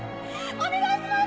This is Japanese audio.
お願いします！！